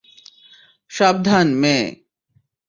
সাবধান, মেয়ে।